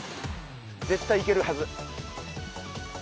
絶対いけるはず！